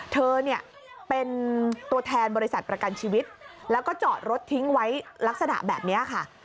เธอเนี่ยเป็นตัวแทนบริษัทประกันชีวิตแล้วก็จอดรถทิ้งไว้ลักษณะแบบนี้ค่ะ